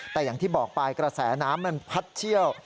แต่อย่างที่บอกไปกระแสน้ำมันพัดเชี่ยว